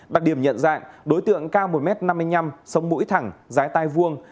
đặc điểm nhận ra đối tượng cao một m năm mươi năm sống mũi thẳng giái tai vuông